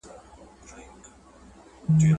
اقتصادي پوهه د بېوزلۍ مخه نیسي.